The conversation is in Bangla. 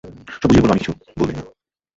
সব বুঝিয়ে বলব আমি-- কিছু বলবে না!